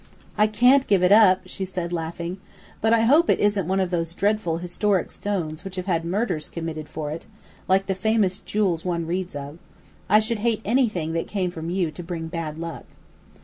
"I can't give it up!" she said, laughing. "But I hope it isn't one of those dreadful historic stones which have had murders committed for it, like famous jewels one reads of. I should hate anything that came from you to bring bad luck."